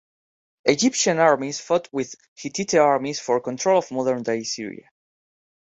Egyptian armies fought with Hittite armies for control of modern-day Syria.